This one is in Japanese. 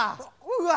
うわ！